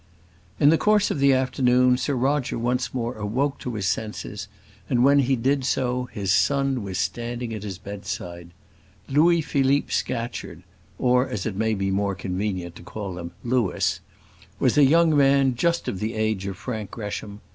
In the course of the afternoon Sir Roger once more awoke to his senses, and when he did so his son was standing at his bedside. Louis Philippe Scatcherd or as it may be more convenient to call him, Louis was a young man just of the age of Frank Gresham.